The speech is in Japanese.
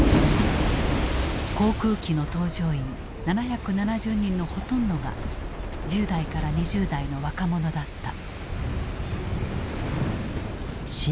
航空機の搭乗員７７０人のほとんどが１０代から２０代の若者だった。